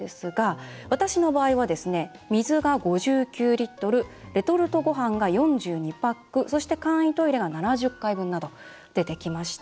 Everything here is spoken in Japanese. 私の場合は、水が５９リットルレトルトごはんパック４２パックそして簡易トイレが７０回分など出てきました。